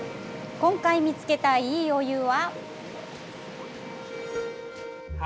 今回見つけたいいお湯は。